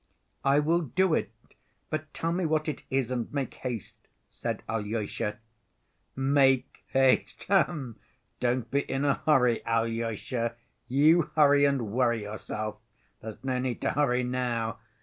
"I will do it, but tell me what it is, and make haste," said Alyosha. "Make haste! H'm!... Don't be in a hurry, Alyosha, you hurry and worry yourself. There's no need to hurry now.